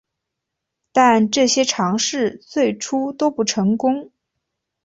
但这些尝试最初都不成功。